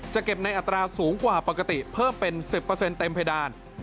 จะเก็บในอัตราสูงกว่าปกติเพิ่มเป็น๑๐เต็มเพดาน